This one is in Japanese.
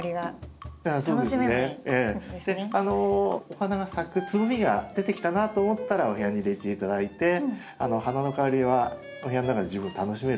お花が咲くつぼみが出てきたなと思ったらお部屋に入れて頂いて花の香りはお部屋の中で十分楽しめると思いますので。